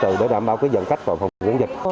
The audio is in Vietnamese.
chúng tôi đã đảm bảo dẫn khách vào phòng khu vận dịch